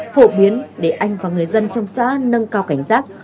phổ biến để anh và người dân trong xã nâng cao cảnh giác